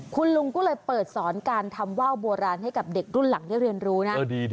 คุณลุงก็เลยเปิดสอนการทำว่าวโบราณให้กับเด็กรุ่นหลังได้เรียนรู้นะ